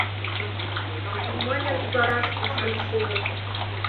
Мыньын вараш кушкын шуын.